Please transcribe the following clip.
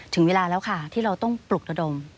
ถึงเวลาแล้วค่ะที่เราต้องปลุกระดม